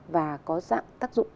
và có dạng tác dụng